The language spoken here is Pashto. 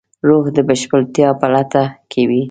روح د بشپړتیا په لټه کې وي.